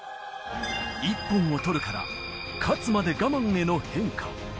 一本を取るから勝つまで我慢への変化。